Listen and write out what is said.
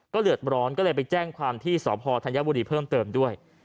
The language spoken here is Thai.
เดือดร้อนก็เลยไปแจ้งความที่สพธัญบุรีเพิ่มเติมด้วย